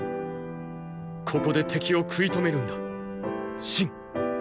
ここで敵をくい止めるんだ信。